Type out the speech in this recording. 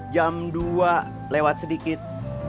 jam dua lewat sedikit